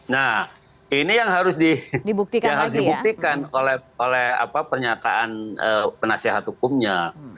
nah ini yang harus dibuktikan oleh pernyataan penasehat hukumnya